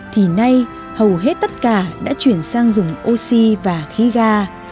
thì nay hầu hết tất cả đã chuyển sang dùng oxy và khí ga